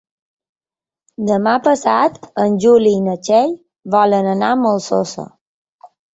Demà passat en Juli i na Txell volen anar a la Molsosa.